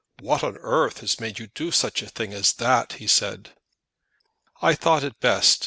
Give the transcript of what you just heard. "What on earth has made you do such a thing as that?" he said. "I thought it best.